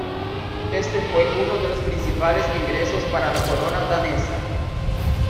Este fue uno de los principales ingresos para la corona danesa.